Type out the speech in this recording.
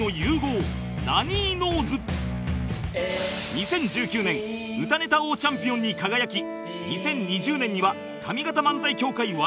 ２０１９年歌ネタ王チャンピオンに輝き２０２０年には上方漫才協会話題賞を受賞